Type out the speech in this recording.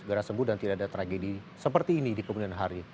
segera sembuh dan tidak ada tragedi seperti ini di kemudian hari